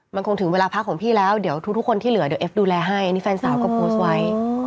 มันคงถึงเวลาพักของพี่แล้วเดี๋ยวทุกคนที่เหลือเดี๋ยวเอฟดูแลให้อันนี้แฟนสาวก็โพสต์ไว้